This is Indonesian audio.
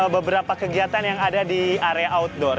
beberapa kegiatan yang ada di area outdoor